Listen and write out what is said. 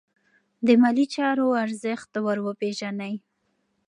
د مالي چارو ارزښت ور وپیژنئ.